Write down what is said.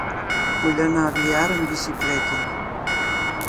Vull anar a Biar amb bicicleta.